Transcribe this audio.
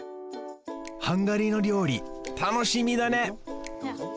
ハンガリーのりょうりたのしみだね！